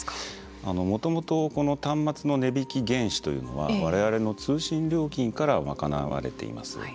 もともとこの端末の値引き原資というのは我々の通信料金から賄われています。